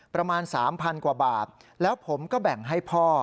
ประมาณ๓๐๐กว่าบาทแล้วผมก็แบ่งให้พ่อ